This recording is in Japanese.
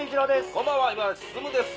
「こんばんは今立進です」